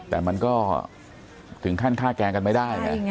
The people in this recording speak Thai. แต่มันก็ถึงขั้นฆ่าแกล้งกันไม่ได้ไง